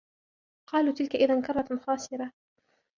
قالوا تلك إذا كرة خاسرة